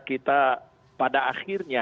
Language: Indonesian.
kita pada akhirnya